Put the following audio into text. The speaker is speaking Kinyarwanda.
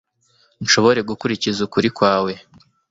nshobore gukurikiza ukuri kwawe